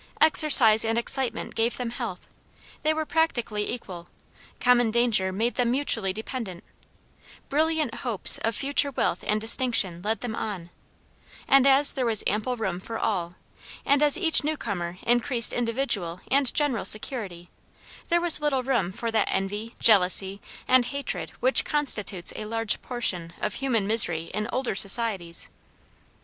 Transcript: Exercise and excitement gave them health, they were practically equal; common danger made them mutually dependent; brilliant hopes of future wealth and distinction led them on, and as there was ample room for all, and as each new comer increased individual and general security, there was little room for that envy, jealousy, and hatred which constitutes a large portion of human misery in older societies.